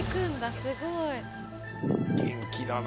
すごいな。